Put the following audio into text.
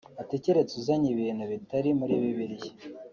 Ati “Keretse uzanye ibintu bitari muri bibiliya